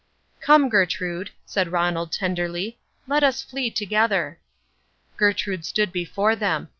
"Come, Gertrude," said Ronald tenderly, "let us flee together." Gertrude stood before them.